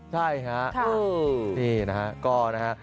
ใช่ฮะ